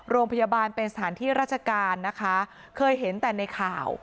โรงพยาบาลเป็นสถานที่ราชการนะคะเคยเห็นแต่ในข่าว